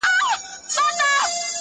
او بیا نو واه واه ورته ووايي -